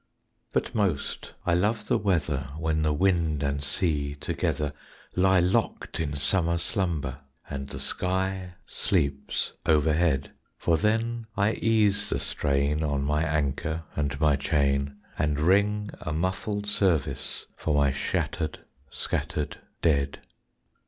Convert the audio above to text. But most I love the weather When the wind and sea together Lie locked in summer slumber And the sky sleeps overhead, For then I ease the strain On my anchor and my chain, And ring a muffled service For my shattered, scattered dead.